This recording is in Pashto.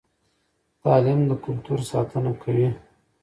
تعلیم د کلتور ساتنه کوي.